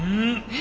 え？